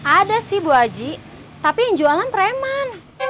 ada sih bu aji tapi yang jualan preman